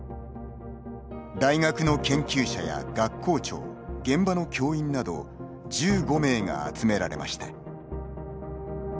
大学の研究者や、学校長現場の教員など１５名が集められました。